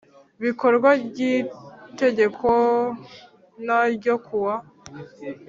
bikorwa ry itegeko n ryo kuwa